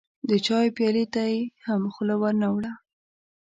د چايو پيالې ته دې هم خوله ور نه وړه.